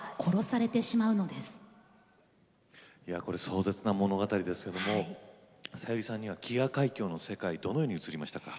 いやこれ壮絶な物語ですけどもさゆりさんには「飢餓海峡」の世界どのように映りましたか？